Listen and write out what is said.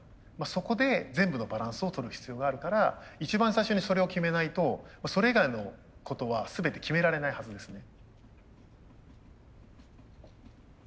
そこで全部のバランスをとる必要があるから一番最初にそれを決めないとそれ以外のことは全て決められないはずですね。